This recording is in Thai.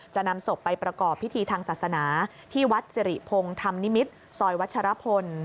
จะนำศพไปประกอบพิธีทางศาสนาที่วัดสิริพงศ์ธรรมนิมิตรซอยวัชรพล